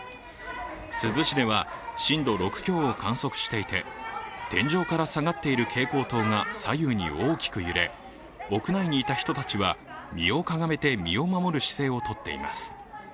珠洲市では震度６強を観測していて天井から下がっている蛍光灯が左右に大きく揺れ屋内にいた人たちは身をかがめて身を守る姿勢をとっています。